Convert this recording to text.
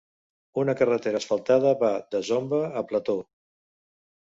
Una carretera asfaltada va de Zomba a Plateau.